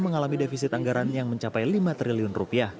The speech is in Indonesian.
mengalami defisit anggaran yang mencapai rp lima triliun